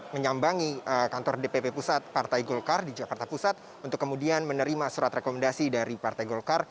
menyambangi kantor dpp pusat partai golkar di jakarta pusat untuk kemudian menerima surat rekomendasi dari partai golkar